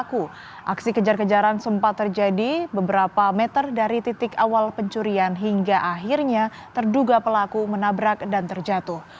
aksi kejar kejaran sempat terjadi beberapa meter dari titik awal pencurian hingga akhirnya terduga pelaku menabrak dan terjatuh